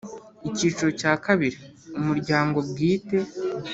Icyiciro cya kabiri Umuryango bwite